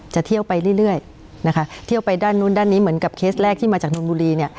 เที่ยวไปเรื่อยนะคะเที่ยวไปด้านนู้นด้านนี้เหมือนกับเคสแรกที่มาจากนนบุรีเนี่ย